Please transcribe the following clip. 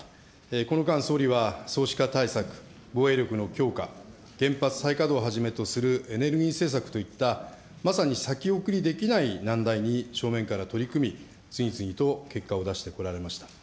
この間、総理は少子化対策、防衛力の強化、原発再稼働をはじめとするエネルギー政策といった、まさに先送りできない難題に正面から取り組み、次々と結果を出してこられました。